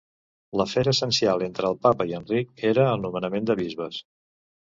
L'afer essencial entre el papa i Enric era el nomenament de bisbes.